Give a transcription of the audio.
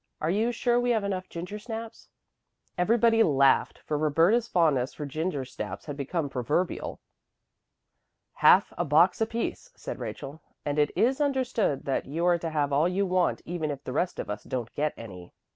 Are you sure we have enough gingersnaps?" Everybody laughed, for Roberta's fondness for gingersnaps had become proverbial. "Half a box apiece," said Rachel, "and it is understood that you are to have all you want even if the rest of us don't get any."